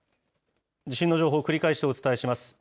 地震の情報を繰り返してお伝えします。